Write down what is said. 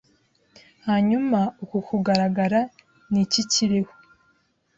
hanyuma uku kugaragara ntikikiriho